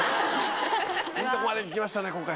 いいとこまでいきましたね今回。